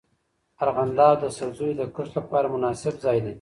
ارغنداب د سبزیو د کښت لپاره مناسب ځای دی.